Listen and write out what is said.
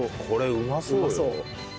これうまそうよ。